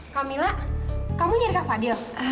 kak mila kamu nyari kak fadil